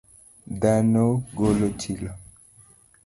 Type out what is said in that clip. Dhano golo chilo.